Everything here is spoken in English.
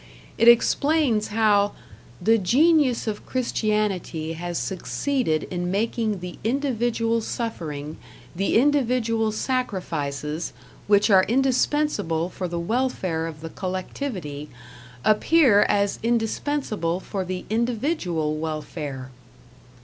It explains how "the genius of Christianity has succeeded in making the individual suffering, the individual sacrifices, which are indispensible for the welfare of the collectivity, appear as indispensible for the individual welfare."